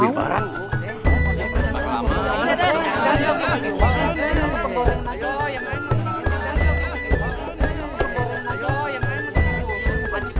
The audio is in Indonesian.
ya ya keeping up